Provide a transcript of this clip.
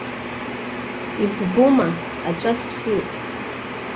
Иббома, аҵәа сфеит.